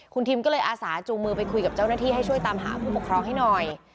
คุณทิมก็เลยอาสาจูงมือไปคุยกับเจ้าหน้าที่ให้ช่วยตามหาผู้ปกครองให้หน่อย